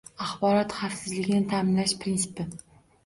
Axborot xavfsizligini ta’minlash prinsipi